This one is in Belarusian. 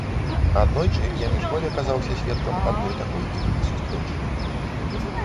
Аднойчы я міжволі аказалася сведкам адной такой іх сустрэчы.